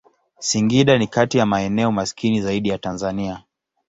Singida ni kati ya maeneo maskini zaidi ya Tanzania.